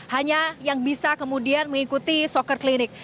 hanya yang bisa kemudian mengikuti soccer clinic